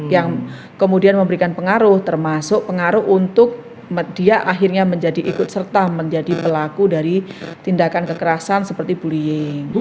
yang kemudian memberikan pengaruh termasuk pengaruh untuk dia akhirnya menjadi ikut serta menjadi pelaku dari tindakan kekerasan seperti bullying